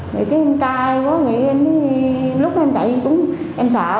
rồi cái em cay quá lúc đó em chạy cũng em sợ